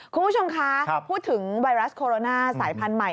คุณผู้ชมคะพูดถึงไวรัสโคโรนาสายพันธุ์ใหม่